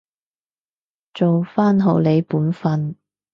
做返好你本分